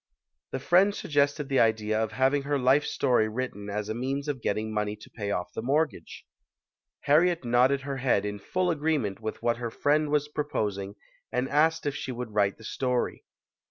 The friend suggested the idea of having her life story written as a means of getting money to pay off the mortgage. Harriet nodded her head in full agreement with what her friend was proposing and asked if she would write the story.